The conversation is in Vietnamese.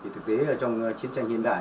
thực tế trong chiến tranh hiện đại